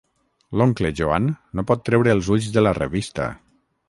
L'oncle Joan no pot treure els ulls de la revista.